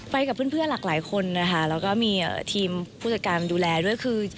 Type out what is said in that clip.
กับเพื่อนหลากหลายคนนะคะแล้วก็มีทีมผู้จัดการดูแลด้วยคือ